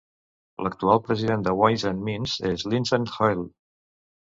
L'actual president de Ways and Means és Lindsay Hoyle.